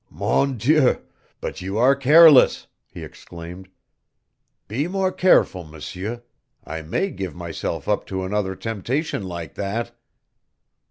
"Mon Dieu, but you are careless!" he exclaimed. "Be more careful, M'seur. I may give myself up to another temptation like that."